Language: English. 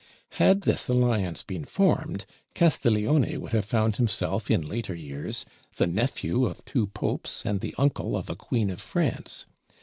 Had this alliance been formed, Castiglione would have found himself, in later years, the nephew of two popes and the uncle of a queen of France.